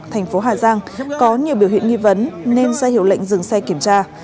thành phố hà giang có nhiều biểu hiện nghi vấn nên sẽ hiểu lệnh dừng xe kiểm tra